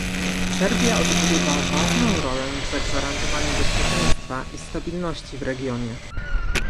Serbia odgrywa ważną rolę w zagwarantowaniu bezpieczeństwa i stabilności w regionie